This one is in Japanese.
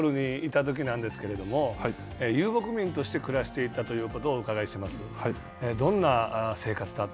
僕からの質問はモンゴルにいたときなんですけれども、遊牧民として暮らしていたということをお伺いしてます。